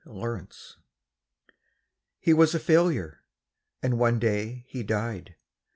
COMPASSION HE was a failure, and one day he died.